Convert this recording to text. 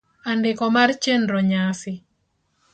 Andiko mar chenro nyasi: